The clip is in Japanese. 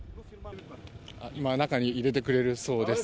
今、中に入れてくれるそうです。